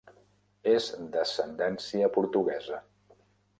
És d'ascendència portuguesa.